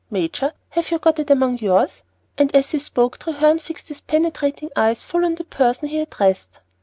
Major, have you got it among yours?" And as he spoke, Treherne fixed his penetrating eyes full on the person he addressed.